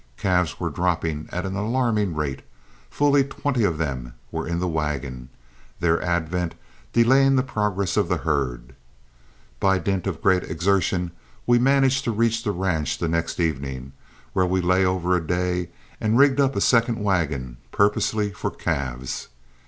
Calves were dropping at an alarming rate, fully twenty of them were in the wagon, their advent delaying the progress of the herd. By dint of great exertion we managed to reach the ranch the next evening, where we lay over a day and rigged up a second wagon, purposely for calves.